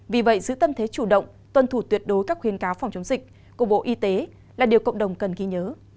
vì vậy giữ tâm thế chủ động tuân thủ tuyệt đối các khuyến cáo phòng chống dịch của bộ y tế là điều cộng đồng cần ghi nhớ